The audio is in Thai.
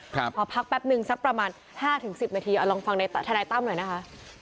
พอพักแป๊บหนึ่งซักประมาณ๕๑๐นาทีลองฟังในธนาธิตั้มหน่อยนะคะ